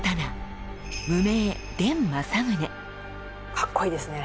かっこいいですね。